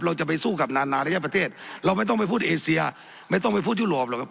เราจะไปสู้กับนานาระยะประเทศเราไม่ต้องไปพูดเอเซียไม่ต้องไปพูดยุโรปหรอกครับ